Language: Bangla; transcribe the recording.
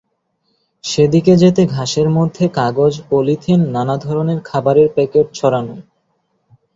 সেদিকে যেতে ঘাসের মধ্যে কাগজ, পলিথিন, নানা ধরনের খাবারের প্যাকেট ছড়ানো।